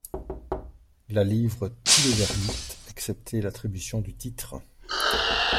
La livre tous les verdicts, excepté l'attribution du titre.